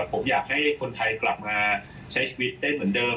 ผมอยากให้คนไทยกลับมาใช้ชีวิตได้เหมือนเดิม